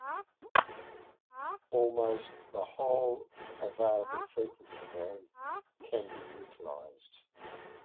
Almost the whole available frequency band can be utilized.